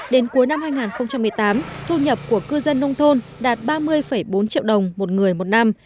đến cuối năm hai nghìn một mươi tám thu nhập của cư dân nông thôn đạt ba mươi bốn triệu đồng một người một năm